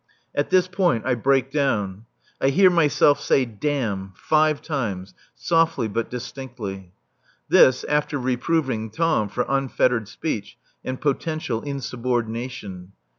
At this point I break down. I hear myself say "Damn" five times, softly but distinctly. (This after reproving Tom for unfettered speech and potential insubordination.)